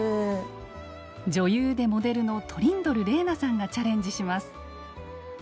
女優でモデルのトリンドル玲奈さんがチャレンジします。